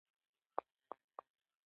نور نو طالبانو کې نه حسابېږي.